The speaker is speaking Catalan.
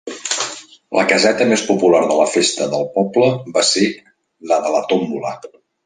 La caseta més popular de la festa del poble va ser la de la tómbola.